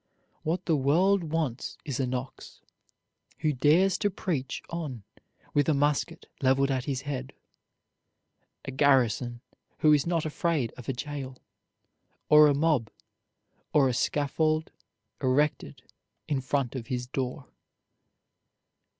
What the world wants is a Knox, who dares to preach on with a musket leveled at his head; a Garrison, who is not afraid of a jail, or a mob, or a scaffold erected in front of his door.